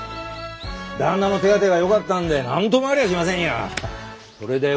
旦那の手当てが良かったんで何ともありゃしませんよ！